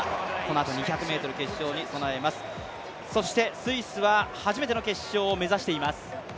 そしてスイスは初めての決勝を目指しています。